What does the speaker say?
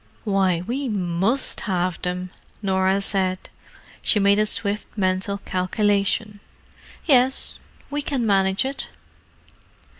"Why we must have them," Norah said. She made a swift mental calculation. "Yes—we can manage it."